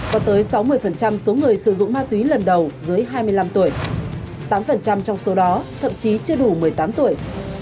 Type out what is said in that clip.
có tới sáu mươi số người sử dụng ma túy lần đầu dưới hai mươi năm tuổi tám trong số đó thậm chí chưa đủ một mươi tám tuổi